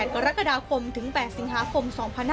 กรกฎาคมถึง๘สิงหาคม๒๕๕๙